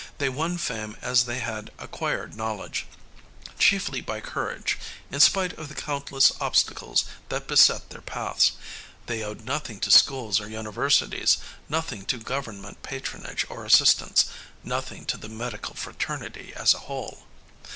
They won fame as they had acquired knowledge chiefly by courage, in spite of the countless obstacles that beset their paths. They owed nothing to schools or universities, nothing to government patronage or assistance, nothing to the medical fraternity as a whole.